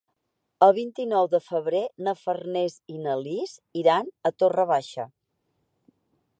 El vint-i-nou de febrer na Farners i na Lis iran a Torre Baixa.